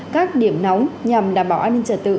các điểm nóng nhằm đảm bảo an ninh trật tự